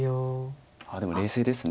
でも冷静です。